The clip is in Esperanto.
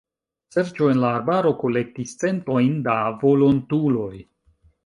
Serĉo en la arbaro kolektis centojn da volontuloj.